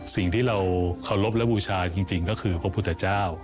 สิ่งที่เราเคารพและบูชาจริงก็คือพระพุทธเจ้า